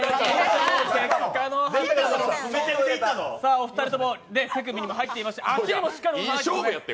お二人とも手首にも入っていまして足にもしっかり入っています。